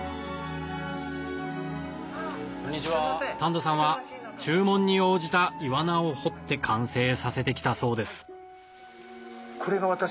谷戸さんは注文に応じたイワナを彫って完成させて来たそうです